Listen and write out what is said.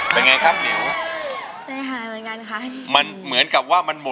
ครั้งเดียวก็กันจะพร้อม